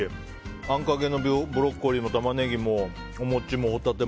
あんかけもブロッコリーもお餅もホタテも。